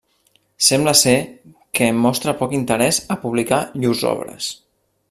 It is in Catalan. Sembla ser, què mostrà poc interès a publicar llurs obres.